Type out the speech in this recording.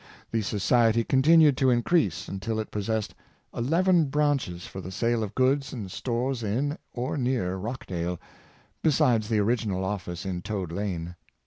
The society continued to increase until it possessed eleven branches for the sale of goods and stores in or near Rochdale, besides the original office in Toad Lane.